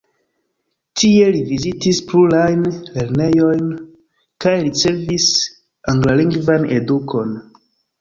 Tie li vizitis plurajn lernejojn kaj ricevis anglalingvan edukon.